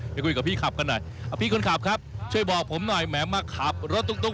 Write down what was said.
ไปคุยกับพี่ขับกันหน่อยเอาพี่คนขับครับช่วยบอกผมหน่อยแหมมาขับรถตุ๊ก